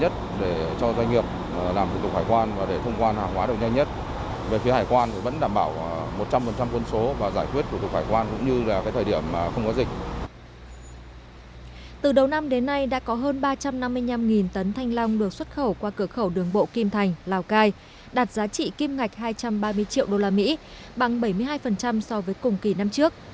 từ đầu năm đến nay đã có hơn ba trăm năm mươi năm tấn thanh long được xuất khẩu qua cửa khẩu đường bộ kim thành lào cai đạt giá trị kim ngạch hai trăm ba mươi triệu usd bằng bảy mươi hai so với cùng kỳ năm trước